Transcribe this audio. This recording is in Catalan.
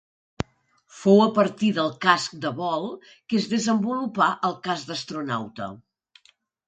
Fou a partir del casc de vol que es desenvolupà el casc d'astronauta.